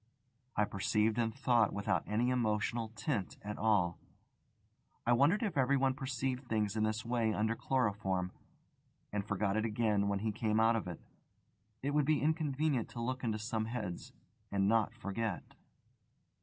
I perceived and thought without any emotional tint at all. I wondered if everyone perceived things in this way under chloroform, and forgot it again when he came out of it. It would be inconvenient to look into some heads, and not forget.